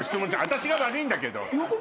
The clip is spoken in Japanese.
私が悪いんだけど。